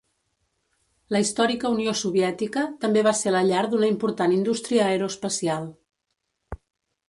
La històrica Unió Soviètica també va ser la llar d'una important indústria aeroespacial.